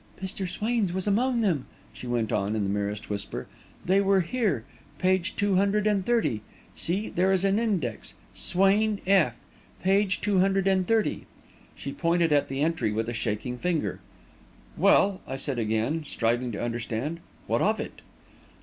"Mr. Swain's was among them," she went on, in the merest whisper. "They were here page two hundred and thirty see, there is an index 'Swain, F., page two hundred and thirty.'" She pointed at the entry with a shaking finger. "Well," I said again, striving to understand, "what of it?"